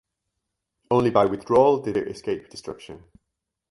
Only by withdrawal did it escape destruction.